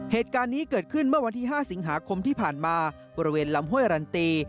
เหตุการณ์นี้เกิดขึ้นเมื่อวันที่๕สิงหาคมที่ผ่านมาบริเวณลำห้วยรันตี